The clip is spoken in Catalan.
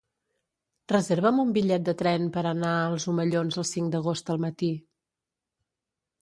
Reserva'm un bitllet de tren per anar als Omellons el cinc d'agost al matí.